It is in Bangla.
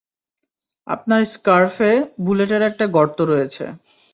আপনার স্কার্ফে, বুলেটের একটা গর্ত রয়েছে।